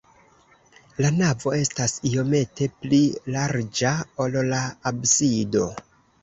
La navo estas iomete pli larĝa, ol la absido.